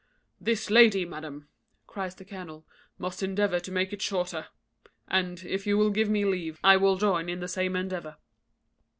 "This lady, madam," cries the colonel, "must endeavour to make it shorter. And, if you will give me leave, I will join in the same endeavour."